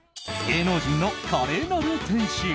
芸能人の華麗なる転身。